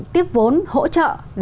tiếp vốn hỗ trợ